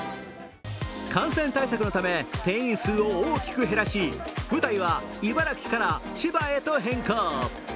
感染対策のため定員数を大きく減らし、舞台は茨城から千葉へと変更。